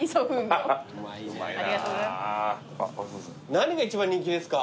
何が一番人気ですか？